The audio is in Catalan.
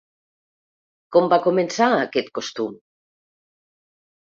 Com va començar aquest costum?